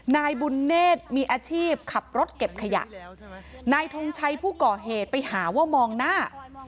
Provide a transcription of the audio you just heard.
นายบุญเนธมีอาชีพขับรถเก็บขยะนายทงชัยผู้ก่อเหตุไปหาว่ามองหน้า